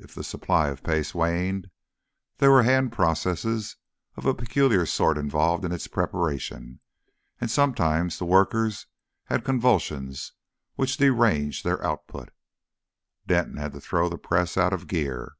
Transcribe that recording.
If the supply of paste waned there were hand processes of a peculiar sort involved in its preparation, and sometimes the workers had convulsions which deranged their output Denton had to throw the press out of gear.